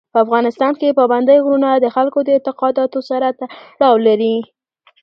په افغانستان کې پابندی غرونه د خلکو د اعتقاداتو سره تړاو لري.